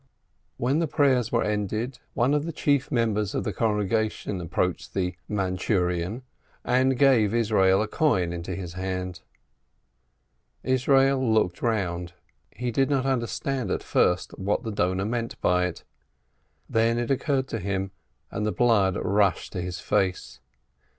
When the prayers were ended, one of the chief mem bers of the congregation approached the "Mandchurian," and gave Yisroel a coin into his hand. Yisroel looked round — he did not understand at first what the donor meant by it. Then it occurred to him — and the blood rushed to his face.